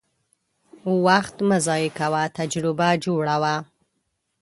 وخت مه ضایع کوه، تجربه جوړه وه.